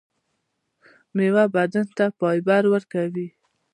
میوه بدن ته فایبر ورکوي